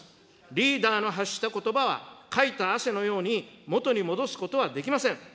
リーダーの発したことばは、かいた汗のようにもとに戻すことはできません。